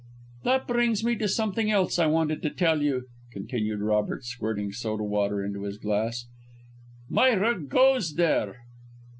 "That brings me to something else I wanted to tell you," continued Robert, squirting soda water into his glass. "Myra goes there."